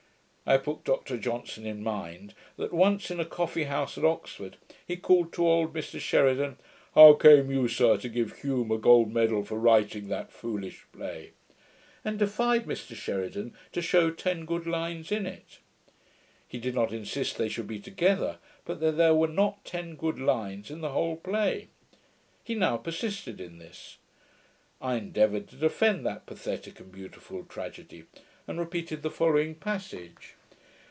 I put Dr Johnson in mind, that once, in a coffee house at Oxford, he called to old Mr Sheridan, 'How came you, sir, to give Home a gold medal for writing that foolish play?' and defied Mr Sheridan to shew ten good lines in it. He did not insist they should be together, but that there were not ten good lines in the whole play. He now persisted in this. I endeavoured to defend that pathetick and beautiful tragedy, and repeated the following passage